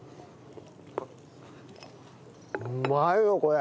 うまいよこれ。